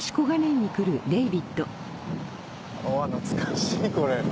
おぉ懐かしいこれ。